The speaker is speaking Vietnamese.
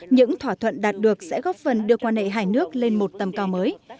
những thỏa thuận đạt được sẽ góp phần đưa quan hệ hai nước lên một tầm cao mới